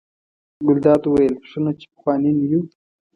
ګلداد وویل: ښه نو چې پخواني نه یو.